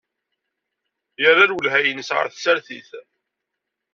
Yerra lwelha-nnes ɣer tsertit.